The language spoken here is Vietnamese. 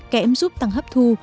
kẽm giúp tăng hấp thu